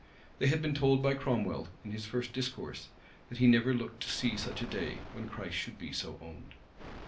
They had been told by Cromwell, in his first discourse, that he never looked to see such a day, when Christ should be so owned.